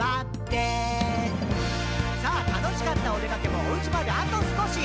「さぁ楽しかったおでかけもお家まであと少し」